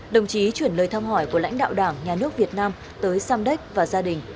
đồng chí chuyển lời thăm hỏi của lãnh đạo đảng nhà nước việt nam tới samdek và gia đình